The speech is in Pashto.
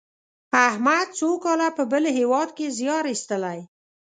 احمد څو کاله په بل هېواد کې زیار ایستلی.